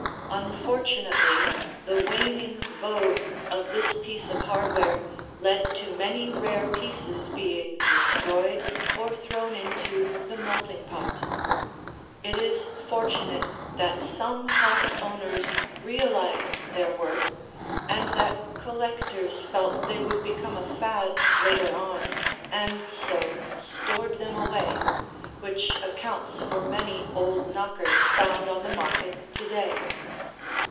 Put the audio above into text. Unfortunately the waning vogue of this piece of hardware led to many rare pieces being destroyed or thrown into the melting pot. It is fortunate that some house owners realized their worth and that collectors felt they would become a fad later on and so stored them away, which accounts for many old knockers found on the market to day.